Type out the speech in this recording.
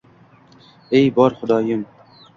E bor Xudoyim…